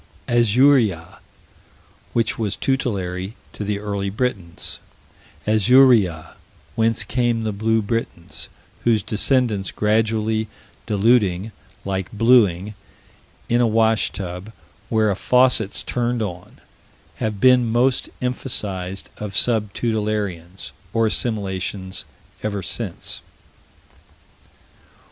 Azuria, which was tutelary to the early Britons: Azuria, whence came the blue Britons, whose descendants gradually diluting, like blueing in a wash tub, where a faucet's turned on, have been most emphasized of sub tutelarians, or assimilators ever since.